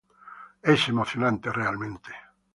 Es emocionante realmente".